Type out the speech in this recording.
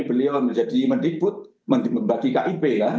beliau menjadi menipu membagi kip